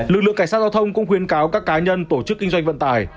lực lượng cảnh sát giao thông cũng khuyến cáo các cá nhân tổ chức kinh doanh vận tải